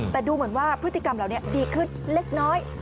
แต่ดูเหมือนว่าพฤติกรรมเหล่านี้ดีขึ้นเล็กน้อย